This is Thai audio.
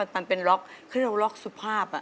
ปันเป็นล็อกเครื่องล็อกสุภาพ